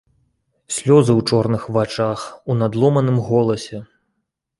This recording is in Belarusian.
Слёзы ў чорных вачах, у надломаным голасе.